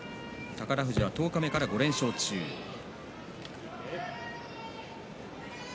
宝富士は、十日目から５連勝中です。